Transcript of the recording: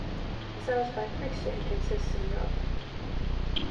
Massage by friction consists in rubbing.